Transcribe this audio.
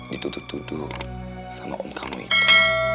ditutup tutup sama umpamu itu